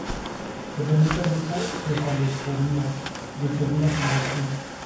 Es así que ambos clubes se cruzaban seguido en estas dos divisiones casi simultáneamente.